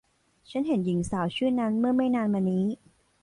ฉันเห็นหญิงสาวชื่อนั้นเมื่อไม่นานมานี้